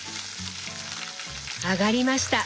揚がりました！